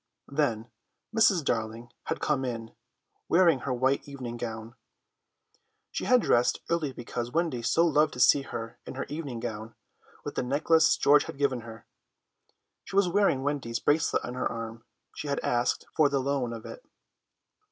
Then Mrs. Darling had come in, wearing her white evening gown. She had dressed early because Wendy so loved to see her in her evening gown, with the necklace George had given her. She was wearing Wendy's bracelet on her arm; she had asked for the loan of it.